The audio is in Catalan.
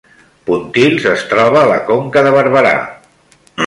Pontils es troba a la Conca de Barberà